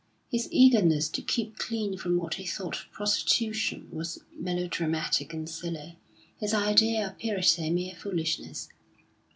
His eagerness to keep clean from what he thought prostitution was melodramatic and silly, his idea of purity mere foolishness.